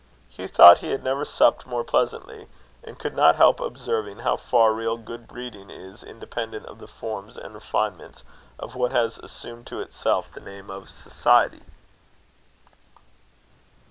Hugh thought he had never supped more pleasantly, and could not help observing how far real good breeding is independent of the forms and refinements of what has assumed to itself the name of society.